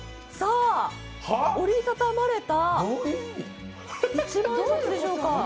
さあ、折り畳まれた一万円札でしょうか？